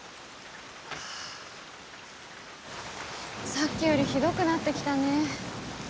さっきよりひどくなってきたね。